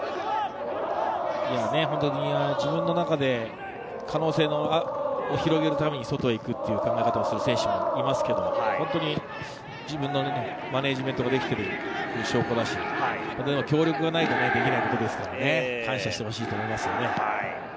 自分の中で可能性を広げるために外へ行くという考え方をする選手がいますけれど、自分のマネジメントができている証拠ですし、周りの協力がないとできないですから。感謝してほしいと思います。